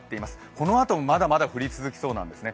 このあとも、まだまだ降り続きそうなんですね。